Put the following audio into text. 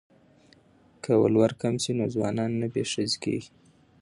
که ولور کم شي نو ځوانان نه بې ښځې کیږي.